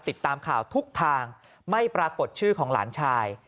ติดตามข่าวทุกทางไม่ปรากฏชื่อของหลานชาย